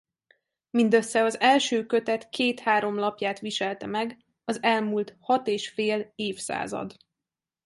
Mindössze az első kötet két-három lapját viselte meg az elmúlt hat és fél évszázad.